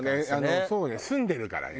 そうね住んでるからね。